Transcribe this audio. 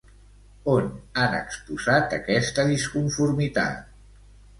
On han exposat aquesta disconformitat?